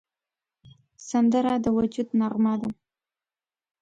سندره د وجد نغمه ده